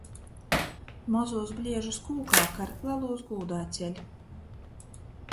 Mozūs bliežus kūkā kar, lelūs gūdā ceļ.